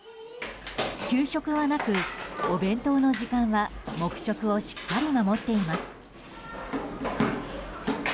給食はなく、お弁当の時間は黙食をしっかり守っています。